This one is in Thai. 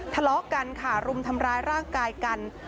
ทะเลาะกันค่ะรุมทำร้ายร่างกายกัน